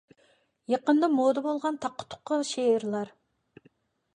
يېقىندا مودا بولغان تاققا-تۇققا شېئىرلار